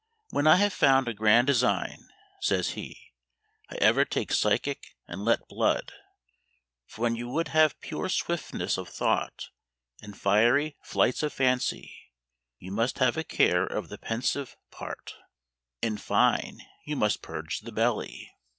"When I have a grand design," says he, "I ever take physic and let blood; for when you would have pure swiftness of thought, and fiery flights of fancy, you must have a care of the pensive part; in fine, you must purge the belly!"